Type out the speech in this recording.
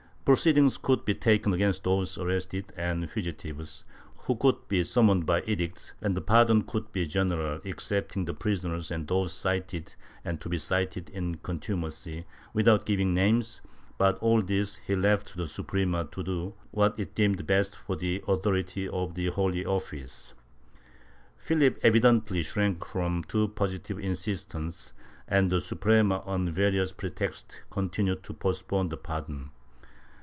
Proceedings could be taken against those arrested and fugitives, who could be summoned by edicts, and the pardon could be general, excepting the prisoners and those cited and to be cited in contumacy, without giving names, but all this he left to the Suprema to do what it deemed best for the authority of the Holy Office. 268 POLITICAL ACTIVITY [Book VIII Philip evidently shrank from too positive insistence, and the Suprema on various pretexts continued to postpone the pardon.